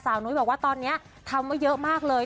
สาวนุ๊ยบอกว่าตอนนี้ทำเยอะมากเลย